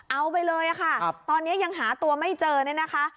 เอาไปเลยค่ะตอนนี้ยังหาตัวไม่เจอเนี่ยนะคะ